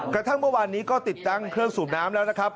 กระทั่งเมื่อวานนี้ก็ติดตั้งเครื่องสูบน้ำแล้วนะครับ